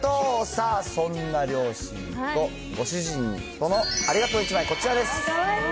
さあ、そんな両親とご主人とのありがとうの１枚、こちらです。